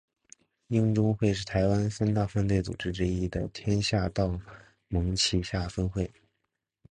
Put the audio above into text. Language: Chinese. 鹰中会是台湾三大犯罪组织之一天道盟旗下分会。